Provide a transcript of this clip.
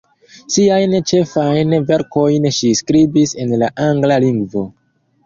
Siajn ĉefajn verkojn ŝi skribis en la angla lingvo.